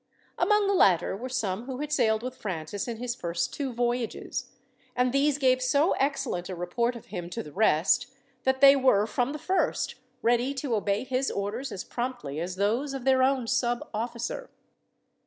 Among the latter were some who had sailed with Francis in his first two voyages, and these gave so excellent a report of him to the rest, that they were from the first ready to obey his orders as promptly as those of their own sub officer.